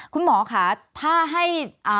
คุณหมอท่าให้